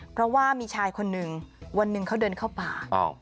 เพราะว่ามีชายคนหนึ่งวันหนึ่งเขาเดินเข้าป่า